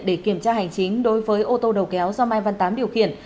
để kiểm tra hành chính đối với ô tô đầu kéo do mai văn tám điều khiển